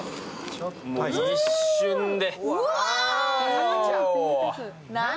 ちょっと一瞬で。